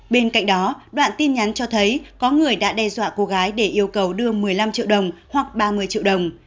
bên cạnh đó đoạn tin nhắn cho thấy có người đã đe dọa cô gái để yêu cầu đưa một mươi năm triệu đồng hoặc ba mươi triệu đồng